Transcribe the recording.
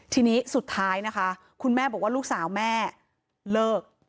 ทีนี้สุดท้ายนะคะคุณแม่บอกว่าลูกสาวแม่เลิก